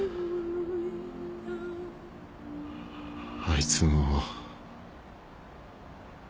あいつの。